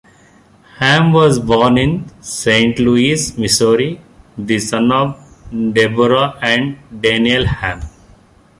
Hamm was born in Saint Louis, Missouri, the son of Deborah and Daniel Hamm.